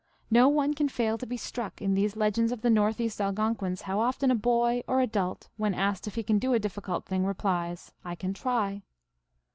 No one can fail to be struck, in these legends of the Northeast Algon quins, how often a boy, or adult, when asked if he can do a difficult thing, replies, " I can try."